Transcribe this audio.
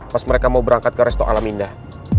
pas mereka mau berangkat ke resto alam indah